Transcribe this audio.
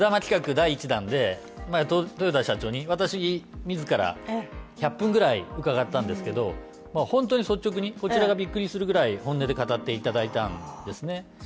その目玉企画第１弾で、豊田社長に渡し、自ら１００分ぐらい伺ったんですけど本当に率直に、こちらがびっくりするぐらい本音で語っていただいたんですね